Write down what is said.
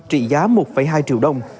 trị giá một hai triệu đồng